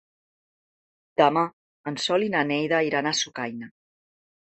Demà en Sol i na Neida iran a Sucaina.